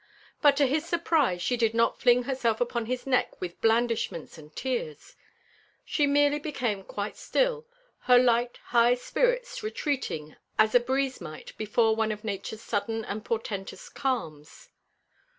But to his surprise she did not fling herself upon his neck with blandishments and tears. She merely became quite still, her light high spirits retreating as a breeze might before one of Nature's sudden and portentous calms.